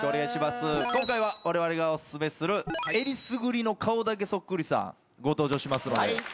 今回はわれわれがお薦めするえりすぐりの顔だけそっくりさんご登場しますので。